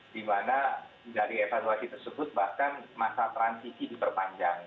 di mana dari evaluasi tersebut bahkan masa transisi diperpanjang